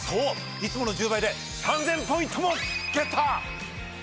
いつもの１０倍で３，０００ポイントもゲット！